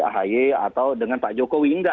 ahy atau dengan pak jokowi enggak